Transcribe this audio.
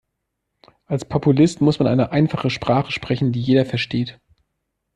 Als Populist muss man eine einfache Sprache sprechen, die jeder versteht.